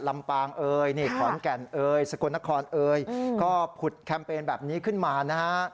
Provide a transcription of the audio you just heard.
ลำปางเอ่ยนี่ขอนแก่นเอ่ยสกลนครเอยก็ผุดแคมเปญแบบนี้ขึ้นมานะฮะ